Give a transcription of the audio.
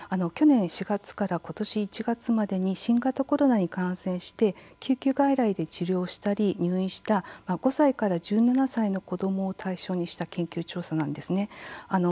去年４月からことし１月までに新型コロナに感染して救急外来で治療したり入院した５歳から１７歳の子どもを対象にした研究調査なんですね。